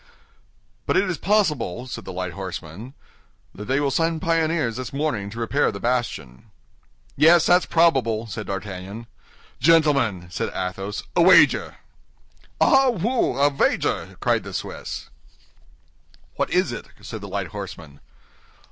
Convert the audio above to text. "But it is probable," said the light horseman, "that they will send pioneers this morning to repair the bastion." "Yes, that's probable," said D'Artagnan. "Gentlemen," said Athos, "a wager!" "Ah, wooi, a vager!" cried the Swiss. "What is it?" said the light horseman.